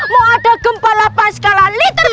mau ada gempa lapas skala liter